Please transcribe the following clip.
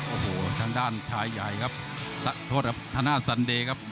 โอ้โหทางด้านชายใหญ่ครับโทษครับธนาสันเดย์ครับ